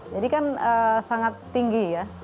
jadi kan sangat tinggi ya